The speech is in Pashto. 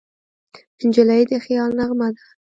نجلۍ د خیال نغمه ده.